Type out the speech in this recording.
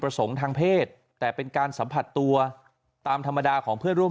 ทางเพศแต่เป็นการสัมผัสตัวตามธรรมดาของเพื่อนร่วม